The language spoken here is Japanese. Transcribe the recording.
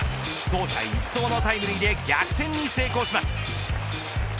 走者一掃のタイムリーで逆転に成功します。